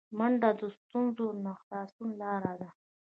منډه د ستونزو نه د خلاصون لاره ده